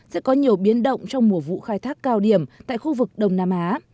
sẽ có nhiều biến động trong mùa vụ khai thác cao điểm tại khu vực đông nam á